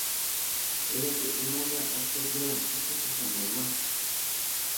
ھېلىقى ئىمام ۋە ئاشپەز بىلەن خوشلاشمىسام بولماس.